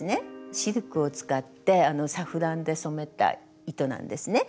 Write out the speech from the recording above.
シルクを使ってサフランで染めた糸なんですね。